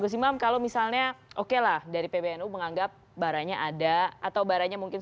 gus imam kalau misalnya oke lah dari pbnu menganggap baranya ada atau baranya mungkin